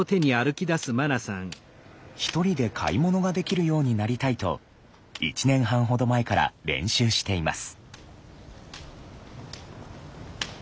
１人で買い物ができるようになりたいと１年半ほど前から練習しています。